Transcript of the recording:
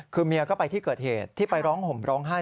คือเมียก็ไปที่เกิดเหตุที่ไปร้องห่มร้องไห้